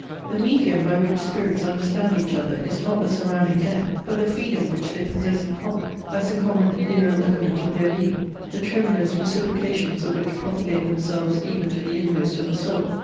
The medium, by which spirits understand each other, is not the surrounding air; but the freedom which they possess in common, as the common ethereal element of their being, the tremulous reciprocations of which propagate themselves even to the inmost of the soul.